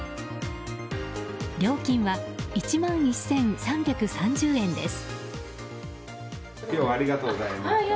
料金は１万１３３０円です。